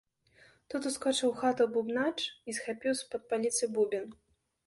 Тут ускочыў у хату бубнач і схапіў з-пад паліцы бубен.